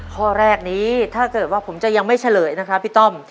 ข้อแรกนี้ถ้าเกิดว่าผมจะยังไม่เฉลยนะครับพี่ต้อม